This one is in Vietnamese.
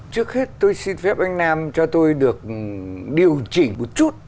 trước hết tôi xin phép anh nam cho tôi được điều chỉnh một chút